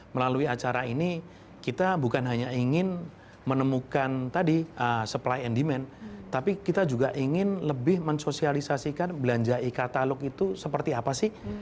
melalui acara ini kita bukan hanya ingin menemukan tadi supply and demand tapi kita juga ingin lebih mensosialisasikan belanja e katalog itu seperti apa sih